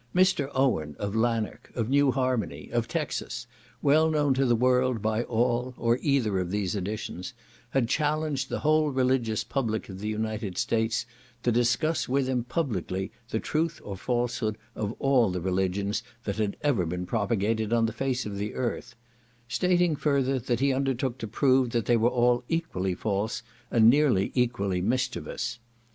Mr. Owen, of Lanark, of New Harmony, of Texas, well known to the world by all or either of these additions, had challenged the whole religious public of the United States to discuss with him publicly the truth or falsehood of all the religions that had ever been propagated on the face of the earth; stating, further, that he undertook to prove that they were all equally false, and nearly equally mischievous.